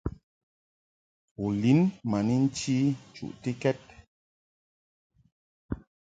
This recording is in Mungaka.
U lin ma ni nchi nchuʼtikɛd.